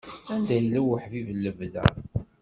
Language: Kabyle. Anda yella uḥbib n lebda.